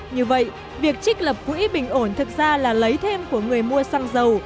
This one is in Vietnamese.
như vậy việc trích lập quỹ bình ổn thực ra là lấy thêm của người mua xăng dầu